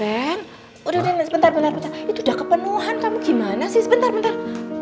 ren ren eh aduh ren udah ren sebentar sebentar itu udah kepenuhan kamu gimana sih sebentar sebentar